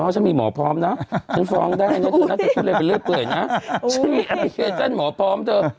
น้องมีหมอพร้อมนะฉันมีแอปพิเศษหมอพร้อมเธอ